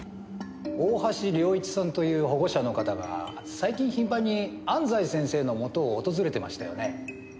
大橋良一さんという保護者の方が最近頻繁に安西先生のもとを訪れてましたよね？